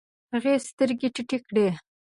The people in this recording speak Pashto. هغې سترګې ټيټې کړې.